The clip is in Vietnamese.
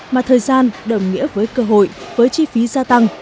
mà thời gian đồng nghĩa với cơ hội với chi phí gia tăng